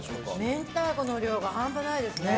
明太子の量が半端ないですね。